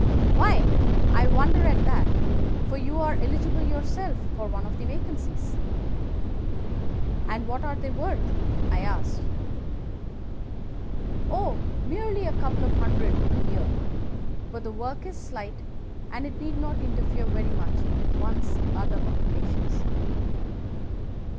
"'Why, I wonder at that, for you are eligible yourself for one of the vacancies.' "'And what are they worth?' I asked. "'Oh, merely a couple of hundred a year, but the work is slight, and it need not interfere very much with one's other occupations.